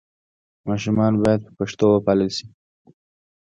ماشومان باید په پښتو وپالل سي.